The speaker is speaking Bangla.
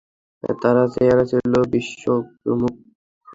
তার চেহারা ছিল বিস্ফোরণোন্মুখ।